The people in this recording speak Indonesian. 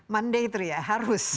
mandator ya harus